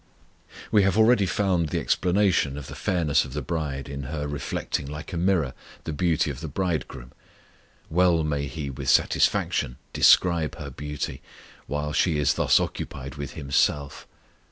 We have already found the explanation of the fairness of the bride in her reflecting like a mirror the beauty of the Bridegroom. Well may He with satisfaction describe her beauty while she is thus occupied with Himself!